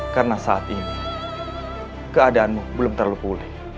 karena saat ini keadaanmu belum terlalu pulih